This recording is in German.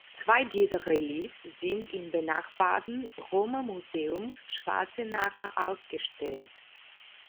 Zwei dieser Reliefs sind im benachbarten Römermuseum Schwarzenacker ausgestellt.